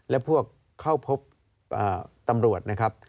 และพวกเข้าพบตำรวจนะครับ